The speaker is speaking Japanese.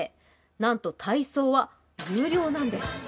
なんと体操は有料なんです。